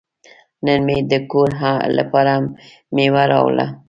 نن مې د کور لپاره میوه راوړه.